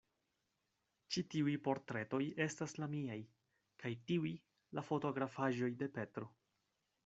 Ĉi tiuj portretoj estas la miaj; kaj tiuj, la fotografaĵoj de Petro.